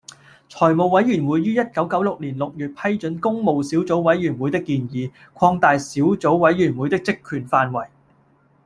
財務委員會於一九九六年六月批准工務小組委員會的建議，擴大小組委員會的職權範圍